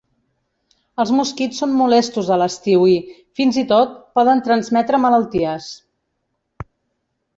Els mosquits són molestos a l'estiu i, fins i tot, poden transmetre malalties.